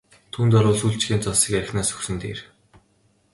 Түүнд орвол сүүлчийнхээ зоосыг архинаас өгсөн нь дээр!